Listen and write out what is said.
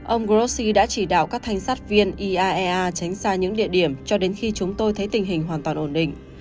ông grossi đã chỉ đạo các thanh sát viên iaea tránh xa những địa điểm cho đến khi chúng tôi thấy tình hình hoàn toàn ổn định